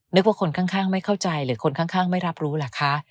นึกว่าคนข้างไม่เข้าใจหรือคนข้างไม่รับรู้ล่ะคะ